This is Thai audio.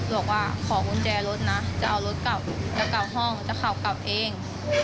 บอกว่าขอกุญแจรถนะจะเอารถกลับจะกลับห้องจะขับกลับเอง